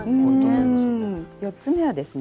４つ目はですね